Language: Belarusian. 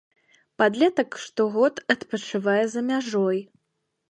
Падлетак штогод адпачывае за мяжой.